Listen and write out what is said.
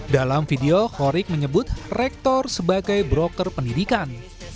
dalam video khorik menyebut rektor sebagai broker pendidikan